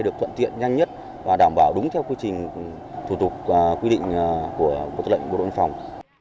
được thuận tiện nhanh nhất và đảm bảo đúng theo quy trình thủ tục quy định của bộ chủ lệnh bộ độ an phòng